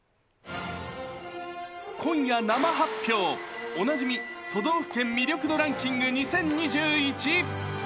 今夜生発表、おなじみ都道府県魅力度ランキング２０２１。